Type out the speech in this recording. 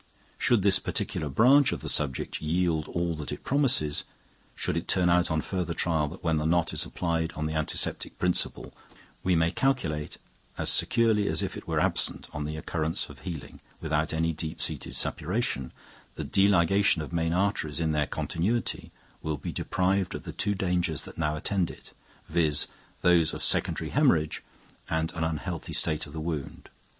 Should this particular branch of the subject yield all that it promises, should it turn out on further trial that when the knot is applied on the antiseptic principle, we may calculate as securely as if it were absent on the occurrence of healing without any deep seated suppuration, the deligation of main arteries in their continuity will be deprived of the two dangers that now attend it, viz., those of secondary haemorrhage and an unhealthy state of the wound.